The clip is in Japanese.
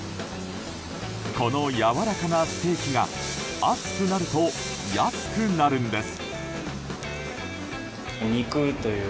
このやわらかなステーキが暑くなると安くなるんです。